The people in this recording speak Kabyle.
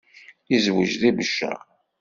Yezweǧ deg Beccaṛ.